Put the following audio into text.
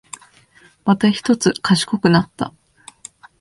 またひとつ賢くなった